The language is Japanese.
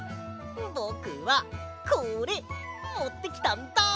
ぼくはこれもってきたんだ！